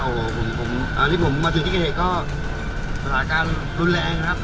โอ้โหผมผมอันนี้ผมมาถึงที่เกษตร์ก็ประสาทการณ์รุนแรงนะครับ